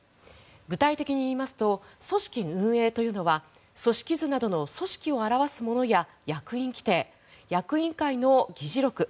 具体的に言いますと組織・運営というのは組織図などの組織を表すものや役員規程役員会の議事録。